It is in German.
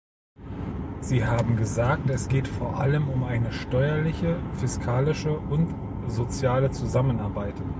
Sie haben gesagt, es geht vor allem um eine steuerliche, fiskalische und soziale Zusammenarbeit.